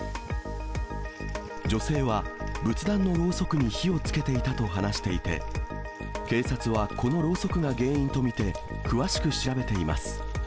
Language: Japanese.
女性は仏壇のろうそくに火をつけていたと話していて、警察は、このろうそくが原因と見て、詳しく調べています。